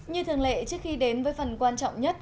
như thường lệ trước khi đến với phần quan trọng nhất